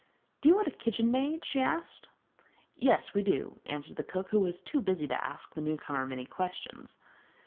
'Do you want a kitchen maid?' she said. 'Yes, we do,' answered the cook, who was too busy to ask the new comer many questions.